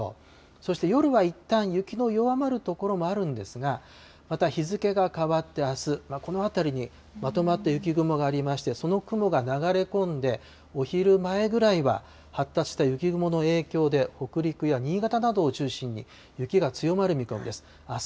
そして夜はいったん、雪の弱まる所もあるんですが、また日付が変わってあす、この辺りにまとまった雪雲がありまして、その雲が流れ込んで、お昼前ぐらいは発達した雪雲の影響で、北陸や新潟などを中心に、雪が強まる見込みです。